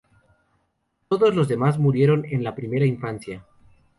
Todos los demás murieron en la primera infancia.